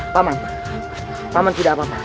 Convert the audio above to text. paman paman tidak apa apa